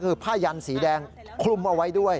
คือผ้ายันสีแดงคลุมเอาไว้ด้วย